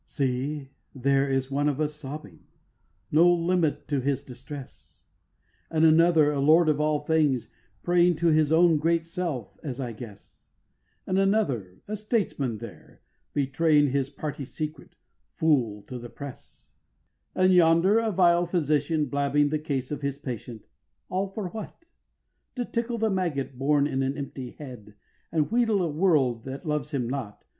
3. See, there is one of us sobbing, No limit to his distress; And another, a lord of all things, praying To his own great self, as I guess; And another, a statesman there, betraying His party secret, fool, to the press; And yonder a vile physician, blabbing The case of his patient all for what? To tickle the maggot born in an empty head, And wheedle a world that loves him not.